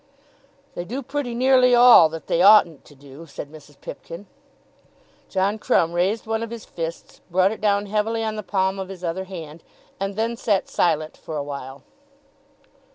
"They do pretty nearly all that they oughtn't to do," said Mrs. Pipkin. John Crumb raised one of his fists, brought it down heavily on the palm of his other hand, and then again sat silent for awhile.